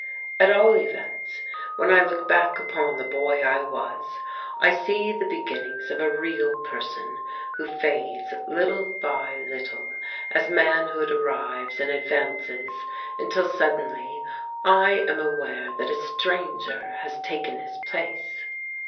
At all events, when I look back upon the boy I was, I see the beginnings of a real person who fades little by little as manhood arrives and advances, until suddenly I am aware that a stranger has taken his place....